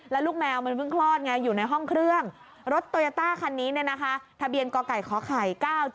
แล้วลูกแมวมันเพิ่งคลอดไงอยู่ในห้องเครื่องรถโตโยต้าคันนี้เนี่ยนะคะทะเบียนกไก่ขไข่๙๗